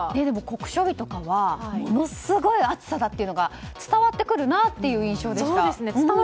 酷暑日とかはものすごい暑さだというのが伝わってくるなという印象でした。